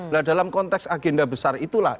nah dalam konteks agenda besar itulah